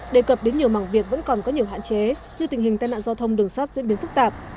đề cập đến nhiều mảng việc vẫn còn có nhiều hạn chế như tình hình tai nạn giao thông đường sắt diễn biến phức tạp